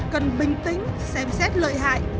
cần bình tĩnh xem xét lợi hại